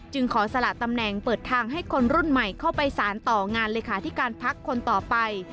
ขอสละตำแหน่งเปิดทางให้คนรุ่นใหม่เข้าไปสารต่องานเลขาธิการพักคนต่อไป